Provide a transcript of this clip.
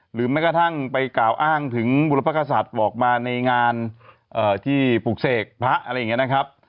แม้กระทั่งไปกล่าวอ้างถึงบุรพกษัตริย์ออกมาในงานที่ปลูกเสกพระอะไรอย่างนี้นะครับ